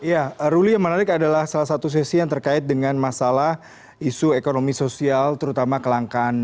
ya ruli yang menarik adalah salah satu sesi yang terkait dengan masalah isu ekonomi sosial terutama kelangkaan